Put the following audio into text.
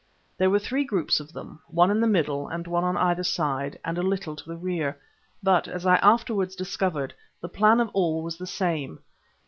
There were three groups of them, one in the middle, and one on either side, and a little to the rear, but, as I afterwards discovered, the plan of all was the same.